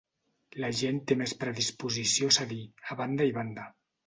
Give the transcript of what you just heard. La gent té més predisposició a cedir, a banda i banda.